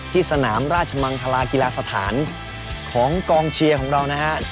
ที่สนามราชมังธารากีฬาสถานของกองเชียร์ของเรานะครับ